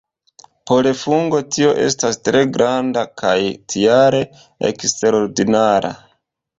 Por fungo tio estas tre granda kaj tial eksterordinara.